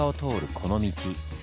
この道。